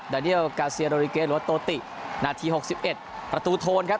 ดานีลกาเซียโดริเกย์รัวโตติหน้าที๖๑ประตูโทนครับ